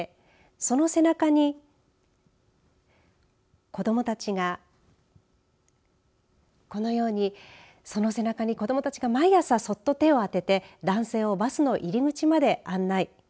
その背中に子どもたちがこのようにその背中に子どもたちが毎朝そっと手を当てて男性をバスの入り口まで案内。